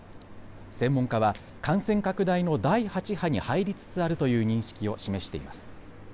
専門家は感染拡大の第８波に入りつつあるという認識を示しています。